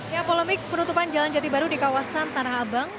ya polemik penutupan jalan jati baru di kawasan tanah abang